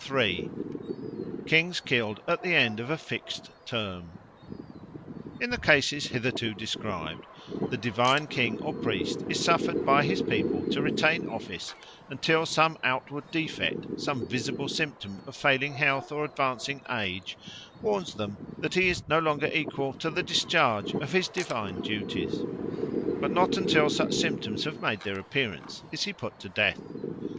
3. Kings killed at the End of a Fixed Term IN THE CASES hitherto described, the divine king or priest is suffered by his people to retain office until some outward defect, some visible symptom of failing health or advancing age, warns them that he is no longer equal to the discharge of his divine duties; but not until such symptoms have made their appearance is he put to death.